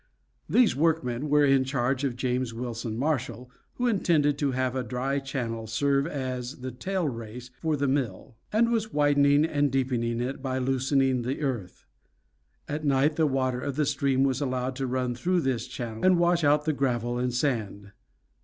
These workmen were in charge of James Wilson Marshall, who intended to have a dry channel serve as the tail race for the mill, and was widening and deepening it by loosening the earth. At night the water of the stream was allowed to run through this channel, and wash out the gravel and sand.